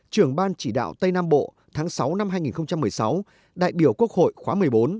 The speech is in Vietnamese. trưởng ban chỉ đạo tây nam bộ tháng sáu năm hai nghìn một mươi sáu đại biểu quốc hội khóa một mươi bốn